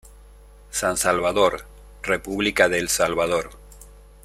San Salvador, República de El Salvador.